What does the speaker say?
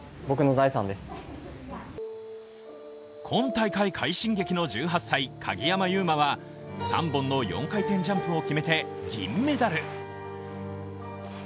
今大会快進撃の１８歳、鍵山優真は３本の４回転ジャンプを決めて銀メダル。